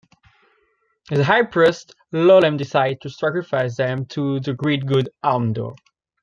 Their high priest, Lolem decides to sacrifice them to the great god Amdo.